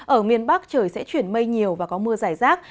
ở miền bắc trời sẽ chuyển mây nhiều và có mưa rải rác